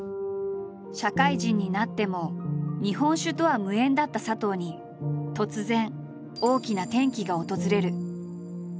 社会人になっても日本酒とは無縁だった佐藤に突然大きな転機が訪れる。